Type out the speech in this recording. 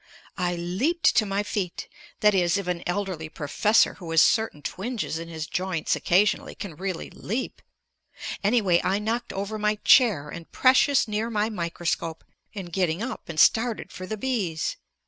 I leaped to my feet; that is, if an elderly professor, who has certain twinges in his joints occasionally, can really leap. Anyway I knocked over my chair and precious near my microscope in getting up, and started for the bees.